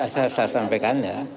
saya sampaikan ya